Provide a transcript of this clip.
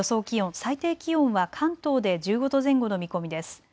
気温、最低気温は関東で１５度前後の見込みです。